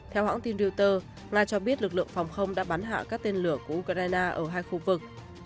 theo hãng tin reuters nga cho biết lực lượng phòng không đã bắn hạ các tên lửa của ukraine ở hai khu vực